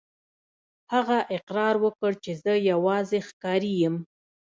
هغه اقرار وکړ چې زه یوازې ښکاري یم.